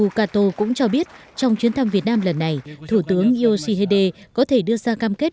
u kato cũng cho biết trong chuyến thăm việt nam lần này thủ tướng yoshihide có thể đưa ra cam kết